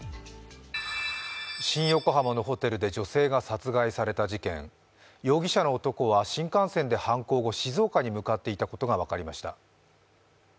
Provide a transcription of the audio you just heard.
新横浜のホテルで女性が殺害された事件容疑者の男は新幹線で犯行後静岡に向かっていたことが分かりました。